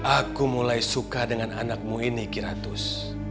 aku mulai suka dengan anakmu ini kiratus